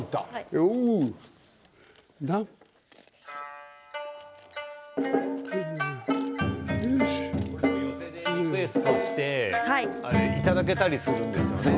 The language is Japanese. お囃子寄席でリクエストしていただけたりするんですよね。